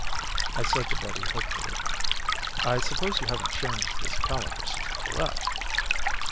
I said to Betty hopefully, "I suppose you haven't changed this calendar since I left."